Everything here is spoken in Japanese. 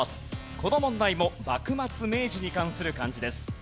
この問題も幕末・明治に関する漢字です。